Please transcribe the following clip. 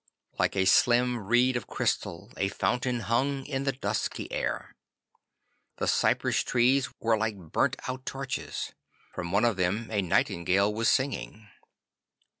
Like a slim reed of crystal a fountain hung in the dusky air. The cypress trees were like burnt out torches. From one of them a nightingale was singing.